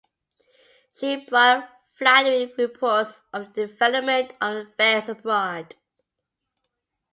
She brought flattering reports of the development of affairs abroad.